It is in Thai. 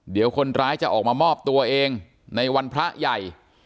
เดี๋ยวคนร้ายจะออกมามอบตัวเองในวันพระใหญ่